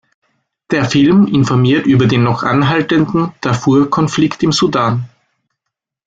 Der Film informiert über den noch anhaltenden Darfur-Konflikt im Sudan.